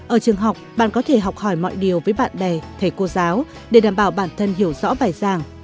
ở trường học bạn có thể học hỏi mọi điều với bạn bè thầy cô giáo để đảm bảo bản thân hiểu rõ bài giảng